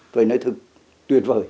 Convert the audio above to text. tôi nói thật tuyệt vời